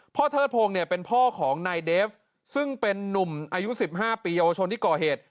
เทิดพงศ์เนี่ยเป็นพ่อของนายเดฟซึ่งเป็นนุ่มอายุ๑๕ปีเยาวชนที่ก่อเหตุ